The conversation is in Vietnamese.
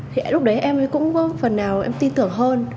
thì lúc đấy em cũng có phần nào em tin tưởng hơn